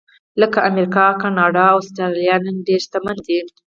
لکه امریکا، کاناډا او اسټرالیا نن ډېر شتمن دي.